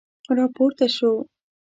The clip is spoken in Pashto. را پورته شو.